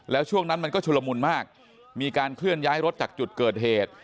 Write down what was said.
แล้วช่วงนั้นมันก็ชุลมุนมากมีการเคลื่อนย้ายรถจากจุดเกิดเหตุ